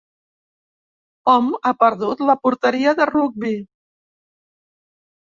Hom ha perdut la porteria de rugbi.